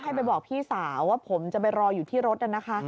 ให้ไปบอกพี่สาวว่าผมจะไปรออยู่ที่รถ